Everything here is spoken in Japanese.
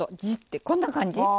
ジッてこんな感じ。